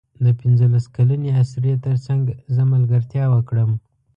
د پنځلس کلنې اسرې تر څنګ زه ملګرتیا وکړم.